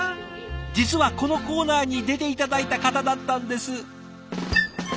実はこのコーナーに出て頂いた方だったんです。